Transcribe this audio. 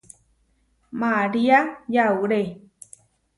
María yauré.